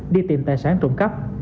đi tìm tài sản trộm cắp